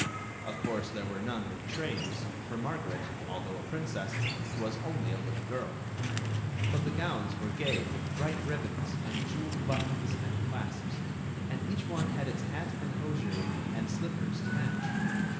Of course there were none with trains, for Margaret, although a prin cess, was only a little girl ; but the gowns were gay with bright ribbons and jeweled buttons and clasps; and each one had its hat and hosiery and slippers to match.